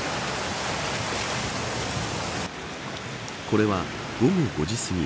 これは午後５時すぎ。